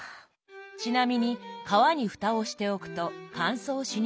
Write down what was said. ちなみに皮にふたをしておくと乾燥しにくくなります。